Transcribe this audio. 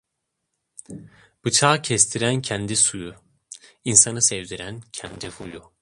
Bıçağı kestiren kendi suyu, insanı sevdiren kendi huyu.